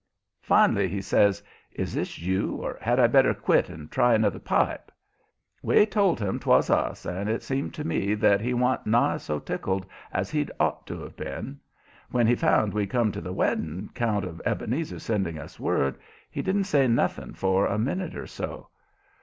Fin'lly he says: "Is this you, or had I better quit and try another pipe?" We told him 'twas us, and it seemed to me that he wa'n't nigh so tickled as he'd ought to have been. When he found we'd come to the wedding, 'count of Ebenezer sending us word, he didn't say nothing for a minute or so.